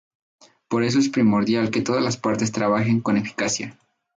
Por eso es primordial que todas las partes trabajen con eficacia.